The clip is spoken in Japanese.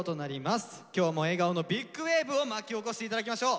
今日も笑顔の「ＢｉｇＷａｖｅ！！！！！！」を巻き起こして頂きましょう。